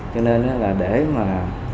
cho nên là để mà